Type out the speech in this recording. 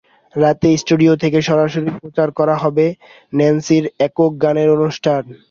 রাতে স্টুডিও থেকে সরাসরি প্রচার করা হবে ন্যান্সির একক গানের অনুষ্ঠান।